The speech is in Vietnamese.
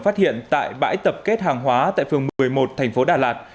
phát hiện tại bãi tập kết hàng hóa tại phường một mươi một thành phố đà lạt